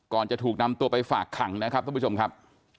จะถูกนำตัวไปฝากขังนะครับท่านผู้ชมครับ